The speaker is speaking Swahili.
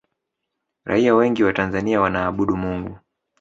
raia wengi wa tanzania wanaabudu mungu